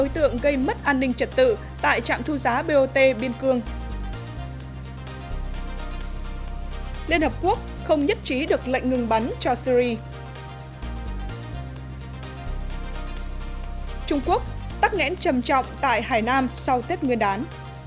trung quốc tắc nghẽn trầm trọng tại hải nam sau tết nguyên đán